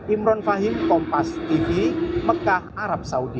imron fahim kompas tv mekah arab saudi